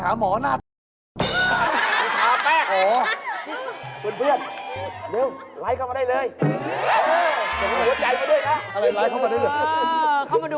ขาวโหสิกรรมที่เขามาดู